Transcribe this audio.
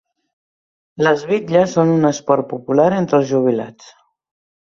Les bitlles són un esport popular entre els jubilats.